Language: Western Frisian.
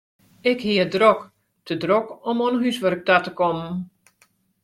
Ik hie it drok, te drok om oan húswurk ta te kommen.